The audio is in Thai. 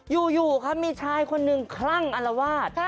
อยู่ครับมีชายคนหนึ่งคลั่งอลวาด